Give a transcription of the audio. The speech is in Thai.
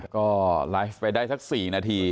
ก็ไลฟ์ไปได้สัก๔นาที